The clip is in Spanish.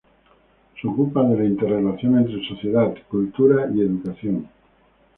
Se ocupa de la interrelación entre sociedad, cultura y educación.